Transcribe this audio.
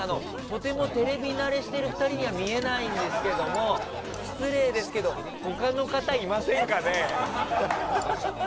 とてもテレビ慣れしている２人には見えないんですけど失礼ですけど他の方、いませんかね。